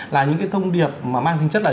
là những cái thông điệp mà mang tính chất là